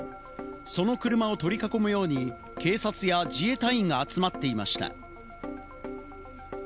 その車を取り囲むように警察や自衛隊員が集まっていました。